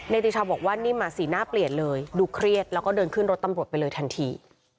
ติชาวบอกว่านิ่มสีหน้าเปลี่ยนเลยดูเครียดแล้วก็เดินขึ้นรถตำรวจไปเลยทันที